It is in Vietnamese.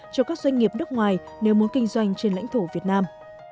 cho các doanh nghiệp nước ngoài nếu muốn kinh doanh trên lãnh thổ việt nam